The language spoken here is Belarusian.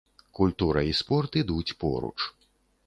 Культура і спорт ідуць поруч.